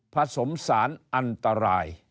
ผสมสารอันตราย